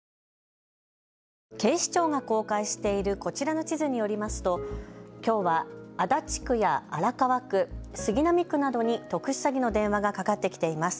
警視庁が公開しているこちらの地図によりますときょうは足立区や荒川区、杉並区などに特殊詐欺の電話がかかってきています。